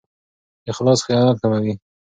اخلاص خیانت کموي.